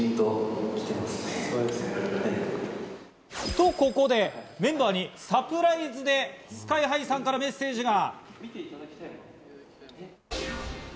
と、ここでメンバーにサプライズでＳＫＹ−ＨＩさんからメッセージが。